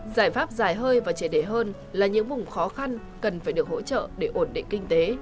giải pháp dài hơi và trẻ đẻ hơn là những vùng khó khăn cần phải được hỗ trợ để ổn định kinh tế